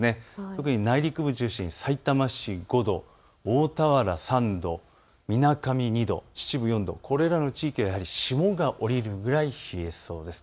特に内陸部を中心にさいたま市５度、大田原３度、みなかみ２度、秩父４度、これらの地域は霜が降りるぐらい冷えそうです。